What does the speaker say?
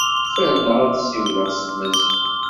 Ferneɣ ad ssiwleɣ s tmaziɣt.